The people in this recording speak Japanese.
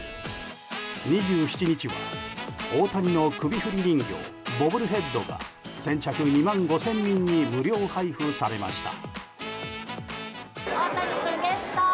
２７日は、大谷の首振り人形ボブルヘッドが先着２万５０００人に無料配布されました。